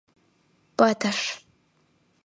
«Пытыш.